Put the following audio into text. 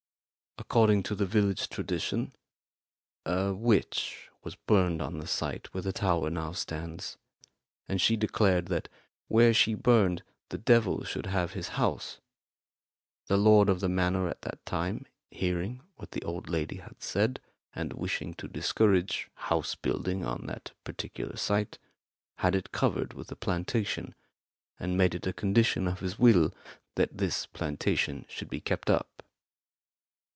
According to the village tradition, a witch was burned on the site where the tower now stands, and she declared that where she burned the devil should have his house. The lord of the manor at that time, hearing what the old lady had said, and wishing to discourage house building on that particular site, had it covered with a plantation, and made it a condition of his will that this plantation should be kept up."